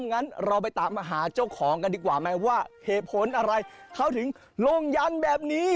งั้นเราไปตามมาหาเจ้าของกันดีกว่าไหมว่าเหตุผลอะไรเขาถึงลงยันแบบนี้